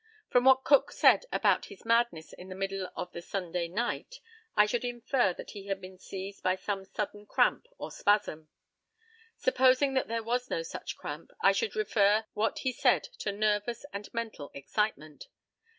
From what Cook said about his madness in the middle of the Sunday night I should infer that he had been seized by some sudden cramp or spasm. Supposing that there was no such cramp, I should refer what he said to nervous and mental excitement.